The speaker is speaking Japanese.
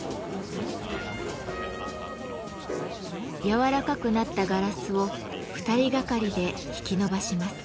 やわらかくなったガラスを２人がかりで引き伸ばします。